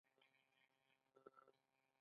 غیرت نه پیسې غواړي نه شهرت